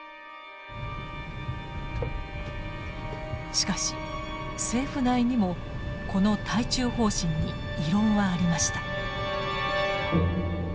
しかし政府内にもこの対中方針に異論はありました。